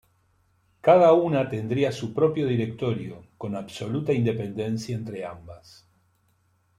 Cada una tendría su propio directorio, con absoluta independencia entre ambas.